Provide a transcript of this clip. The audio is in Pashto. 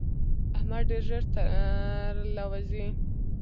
احمد ډېر ژر تر له وزي.